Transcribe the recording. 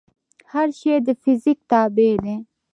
هر شی د فزیک تابع دی.